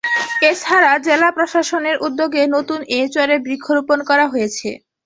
এ ছাড়া জেলা প্রশাসনের উদ্যোগে নতুন এ চরে বৃক্ষরোপণ করা হয়েছে।